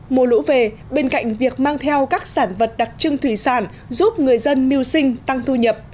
mùa lũ về bên cạnh việc mang theo các sản vật đặc trưng thủy sản giúp người dân mưu sinh tăng thu nhập